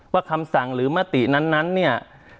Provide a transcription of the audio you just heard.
คำสั่งหรือมตินั้นเนี่ย